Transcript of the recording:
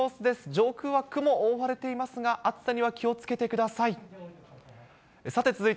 上空は雲、覆われていますが、暑さには気をつけてください。